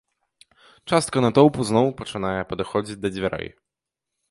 Частка натоўпу зноў пачынае падыходзіць да дзвярэй.